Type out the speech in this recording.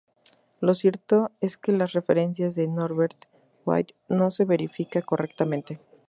Lo cierto es que las referencias de Norbert Witte no se verificaron correctamente.